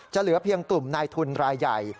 จะเหลือเพียงตุ่มในทุนรายใหญ่